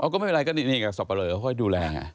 ก็ไม่ไรก็โดยสัตว์พันเลยผ่วยดูแล